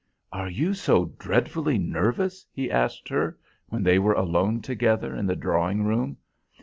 "Are you so dreadfully nervous?" he asked her, when they were alone together in the drawing room.